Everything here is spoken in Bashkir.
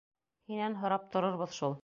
Һинән һорап торорбоҙ шул!